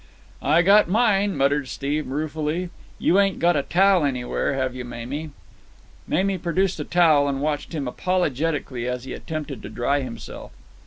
"I got mine," muttered Steve ruefully. "You ain't got a towel anywhere, have you, Mame?" Mamie produced a towel and watched him apologetically as he attempted to dry himself.